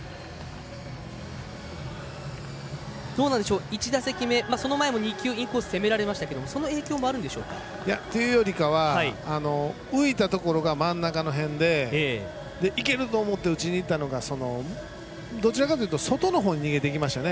どうなんでしょうか１打席目、その前も２球インコースを攻められましたがその影響はあるんでしょうか。というよりも浮いたところが真ん中の辺で打ちにいけると思ったんですけれども、どちらかというと外に逃げていきましたね。